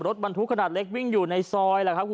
รถบรรทุกขนาดเล็กวิ่งอยู่ในซอย